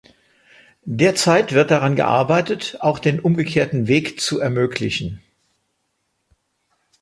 Derzeit wird daran gearbeitet, auch den umgekehrten Weg zu ermöglichen.